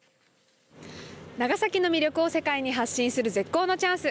長崎の魅力を世界に発信する絶好のチャンス。